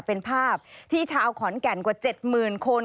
เป็นภาพที่ชาวขอนแก่นกว่า๗๐๐คน